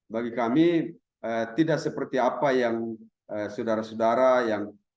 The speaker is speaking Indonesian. bagi kami tidak seperti apa yang saudara saudara yang